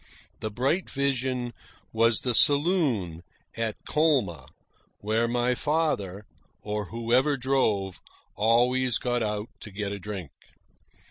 The bright vision was the saloon at Colma, where my father, or whoever drove, always got out to get a drink.